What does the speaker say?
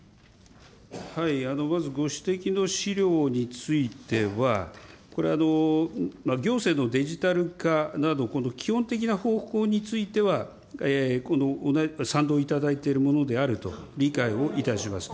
まずご指摘の資料については、これは行政のデジタル化など、基本的な方向については、賛同いただいているものであると理解をいたします。